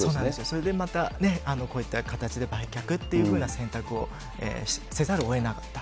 それでまたね、こういった形で売却っていうふうな選択をせざるをえなかった。